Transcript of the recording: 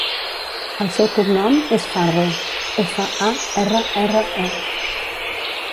El seu cognom és Farre: efa, a, erra, erra, e.